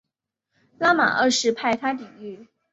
拉玛二世派他抵御。